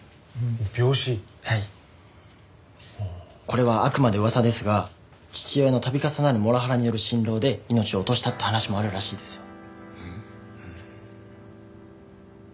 これはあくまで噂ですが父親の度重なるモラハラによる心労で命を落としたって話もあるらしいですよ。